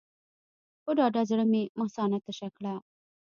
په ډاډه زړه مې مثانه تشه کړه.